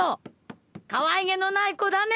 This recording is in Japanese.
かわいげのない子だね